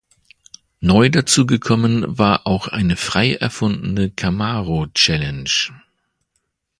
Neu dazugekommen war auch eine frei erfundene Camaro-Challenge.